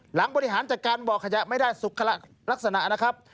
หลังบริหารจัดการบอกว่าขยะไม่ได้สุขละลักษณะนะครับ